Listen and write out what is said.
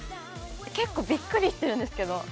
結構びっくりしてるんですけど。